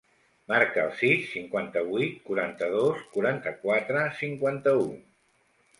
Marca el sis, cinquanta-vuit, quaranta-dos, quaranta-quatre, cinquanta-u.